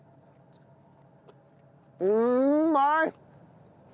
うまい！